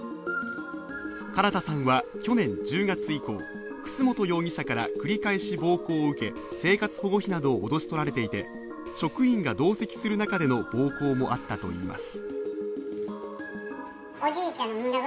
唐田さんは去年１０月以降、楠本容疑者から繰り返し暴行を受け生活保護費などを脅し取られていて、職員が同席する中での暴行もあったといいます。